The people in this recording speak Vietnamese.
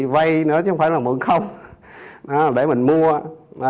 vay nữa chứ không phải là mượn không để mình mua